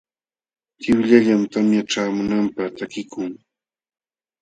Tiwllallam tamya ćhaamunanpaq takikun.